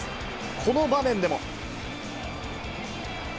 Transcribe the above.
この場面でも。